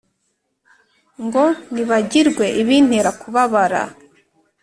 ngo nibagirwe ibintera kubabara